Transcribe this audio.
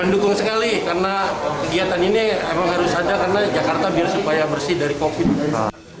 mendukung sekali karena kegiatan ini memang harus saja karena jakarta biar bersih dari covid sembilan belas